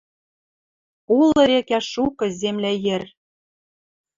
Улы рекӓ шукы земля йӹр